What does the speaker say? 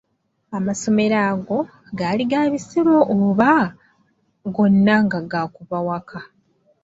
"Amasomero ago, gaali ga bisulo oba gonna nga ga kuva waka?"